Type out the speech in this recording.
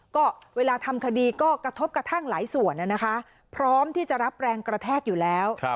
ก็เวลาทำคดีก็กระทบกระทั่งหลายส่วนนะคะพร้อมที่จะรับแรงกระแทกอยู่แล้ว